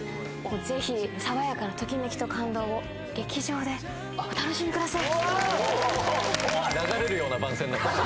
ぜひさわやかなときめきと感動を劇場でお楽しみください